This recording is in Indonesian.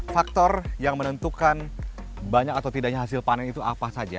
faktor yang menentukan banyak atau tidaknya hasil panen itu apa saja